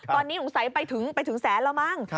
ตอนนี้สงสัยไปถึงแสนแล้วมั้ง